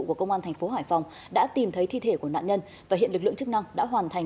của công an thành phố hải phòng đã tìm thấy thi thể của nạn nhân và hiện lực lượng chức năng đã hoàn thành